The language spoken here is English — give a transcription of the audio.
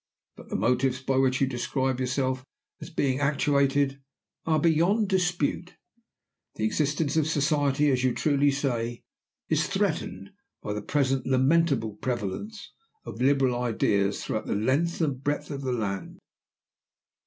But the motives by which you describe yourself as being actuated are beyond dispute. The existence of Society, as you truly say, is threatened by the present lamentable prevalence of Liberal ideas throughout the length and breadth of the land.